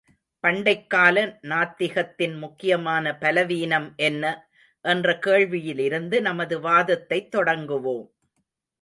பண்டைக் கால நாத்திகத்தின் முக்கியமான பலவீனம் என்ன? என்ற கேள்வியிலிருந்து நமது வாதத்தைத் தொடங்குவோம்.